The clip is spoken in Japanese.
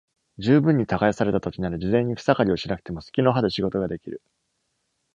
十分に耕された土地なら、事前に草刈りをしなくてもすきの刃で仕事ができる。